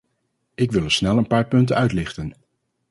Ik wil er snel een paar punten uitlichten.